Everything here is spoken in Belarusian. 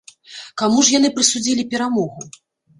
Каму ж яны прысудзілі перамогу?